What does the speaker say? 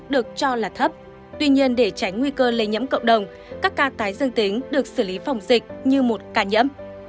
được cho là thấp tuy nhiên để tránh nguy cơ lây nhiễm cộng đồng các ca tái dương tính được xử lý phòng dịch như một ca nhiễm